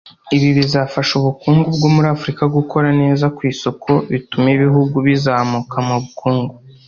Ibi bizafasha ubukungu bwo muri Afurika gukora neza ku isoko bitume ibihugu bizamuka mu bukungu